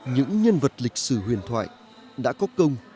những nhân vật lịch sử huyền thoại đã có công